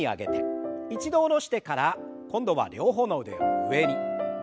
一度下ろしてから今度は両方の腕を上に。